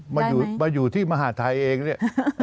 มาอยู่ที่มหาทัยเองเนี่ย